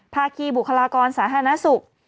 ภาคีบุคลากรสาหนศุกร์